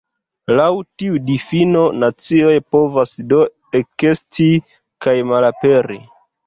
Laŭ tiu difino nacioj povas do ekesti kaj malaperi.